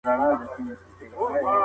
پر نورو انسانانو تجاوز کول لوی جرم دی.